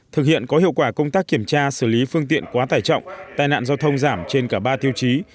thực hiện có hiệu quả công tác kiểm tra xử lý phương tiện quá tải trọng tai nạn giao thông giảm trên cả ba tiêu chí